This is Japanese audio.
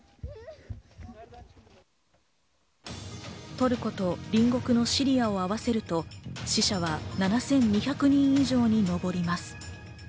トルコと隣国のシリアを合わせると、死者は７２００人以上に上ります。